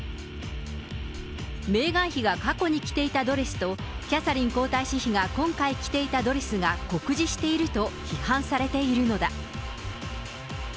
メーガン妃が過去に着ていたドレスとキャサリン皇太子妃が今回着ていたドレスが酷似していると批判されているのだ。